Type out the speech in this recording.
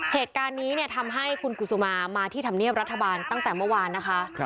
เหตุการณ์นี้ทำให้คุณกุศุมามาที่ธรรมเนียบรัฐบาลตั้งแต่เมื่อวานนะคะ